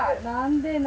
何で？